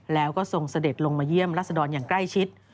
แล้วก็ทรงเสด็จลงมาเยี่ยมรัศดรอย่างใกล้ชิด